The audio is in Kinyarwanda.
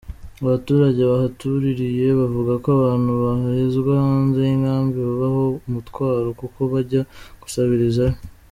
Abaturage bahatuririye bavuga ko abantu bahezwa hanze y’inkambi bababaho umutwaro, kuko bajya gusabirizayo.